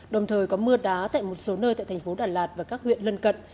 đồng thời có mưa đá tại một số nơi tại thành phố đà lạt và các huyện lân cận